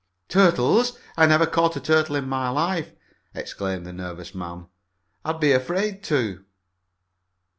"Turtles! I never caught a turtle in my life!" exclaimed the nervous man. "I'd be afraid to!"